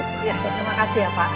terima kasih ya pak